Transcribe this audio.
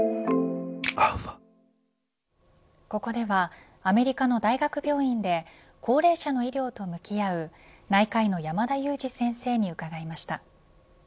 ここではアメリカの大学病院で高齢者の医療と向き合う内科医の山田悠史先生に伺いました。